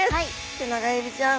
テナガエビちゃん